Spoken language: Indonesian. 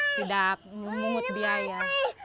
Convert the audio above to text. tidak mengungut biaya